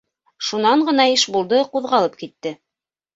Шунан ғына Ишбулды ҡуҙғалып китте.